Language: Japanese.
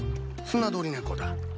スナドリネコだ。